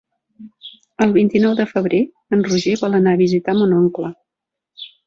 El vint-i-nou de febrer en Roger vol anar a visitar mon oncle.